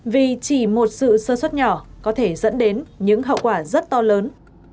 vì chỉ một sự sơ suất nhỏ có thể dẫn đến những hậu quả rất to lớn